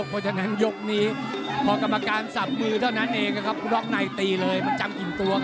มาแข็งแรงมาก